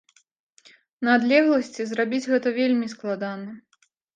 На адлегласці зрабіць гэта вельмі складана.